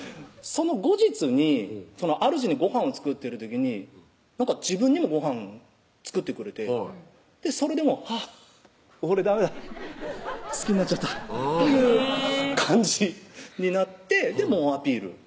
その後日にあるじにごはんを作ってる時に自分にもごはん作ってくれてそれではぁ俺ダメだ好きになっちゃったっていう感じになって猛アピール